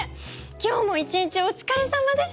今日も一日お疲れさまです！